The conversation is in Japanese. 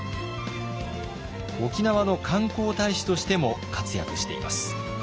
沖縄の観光大使としても活躍しています。